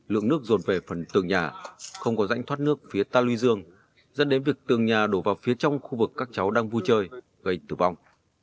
lượng nước rồn về phần tường nhà không có rãnh thoát nước phía ta luy dương dẫn đến việc tường nhà đổ vào phía trong khu vực các cháu đang vui chơi gây tử vong